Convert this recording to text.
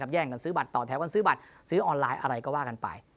แย่งกันซื้อบัตรต่อแถวกันซื้อบัตรซื้อออนไลน์อะไรก็ว่ากันไป